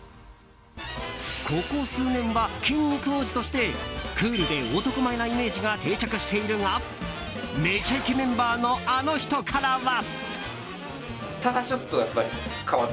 ここ数年は筋肉王子としてクールで男前なイメージが定着しているが「めちゃイケ」メンバーのあの人からは。